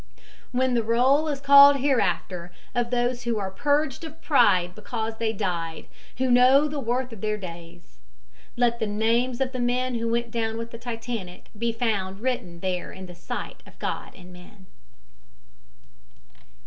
When the roll is called hereafter of those who are "purged of pride because they died, who know the worth of their days," let the names of the men who went down with the Titanic be found written there in the sight of God and men.